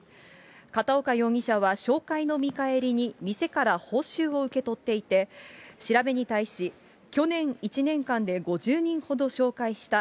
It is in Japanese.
片岡容疑者は紹介の見返りに、店から報酬を受け取っていて、調べに対し、去年１年間で５０人ほど紹介した。